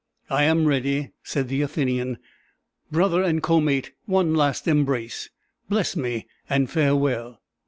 "I am ready," said the Athenian. "Brother and co mate, one last embrace! Bless me and farewell!"